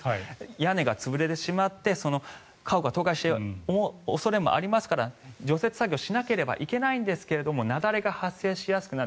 屋根が潰れてしまって家屋が倒壊する恐れもありますから除雪作業をしなければいけないんですが雪崩が発生しやすくなる。